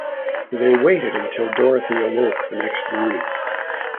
They waited until Dorothy awoke the next morning.